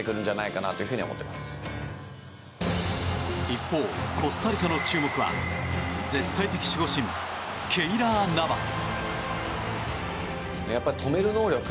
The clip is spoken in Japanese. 一方、コスタリカの注目は絶対的守護神ケイラー・ナバス。